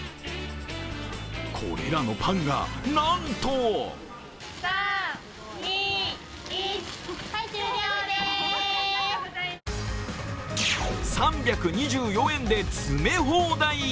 これらのパンが、なんと３２４円で詰め放題。